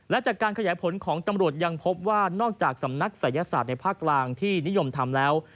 และจากการขยายผลของตำรวจยังพบว่านอกจากสำนักศัยศาสตร์ในภาคกลางที่นิยมทำแล้ว